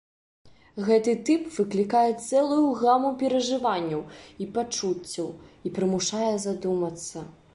Гэты тып выклікае цэлую гаму перажыванняў і пачуццяў і прымушае задумацца.